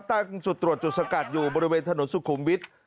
ตั้งจุดตรวจจุดสกัดอยู่บริเวณถนนสุขุมวิทย์